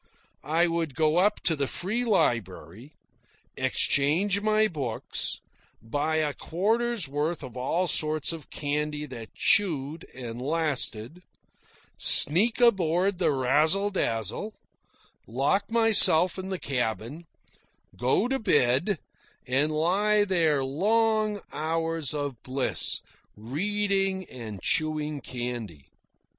I would go up to the Free Library, exchange my books, buy a quarter's worth of all sorts of candy that chewed and lasted, sneak aboard the Razzle Dazzle, lock myself in the cabin, go to bed, and lie there long hours of bliss, reading and chewing candy.